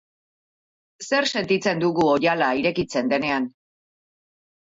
Zer sentitzen dugu oihala irekitzen denean?